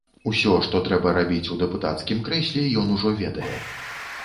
Усё, што трэба рабіць у дэпутацкім крэсле, ён ужо ведае.